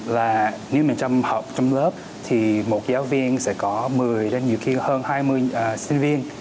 là nếu mình trong học trong lớp thì một giáo viên sẽ có một mươi nhiều khi hơn hai mươi sinh viên